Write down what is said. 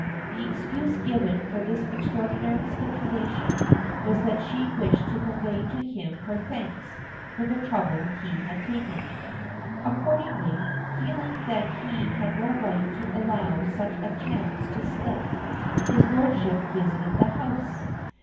The excuse given for this extraordinary stipulation was that she wished to convey to him her thanks for the trouble he had taken. "Accordingly, feeling that he had no right to allow such a chance to slip, his lordship visited the house.